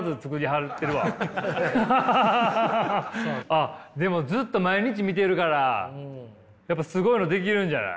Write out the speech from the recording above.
あっでもずっと毎日見てるからやっぱすごいの出来るんじゃない？